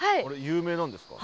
有名なんですか？